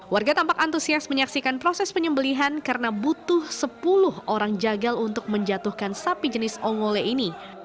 warga tampak antusias menyaksikan proses penyembelihan karena butuh sepuluh orang jagal untuk menjatuhkan sapi jenis ongole ini